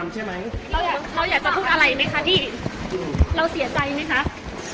เราเป็นคนไปซื้อฟูลเองใช่ไหมคะพี่